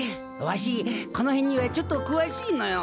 わしこの辺にはちょっとくわしいのよ。